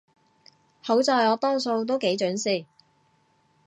好在我多數都幾準時